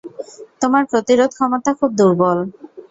তোমার প্রতিরোধ ক্ষমতা খুব দুর্বল।